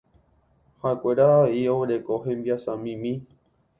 Ha'ekuéra avei oguereko hembiasamimi.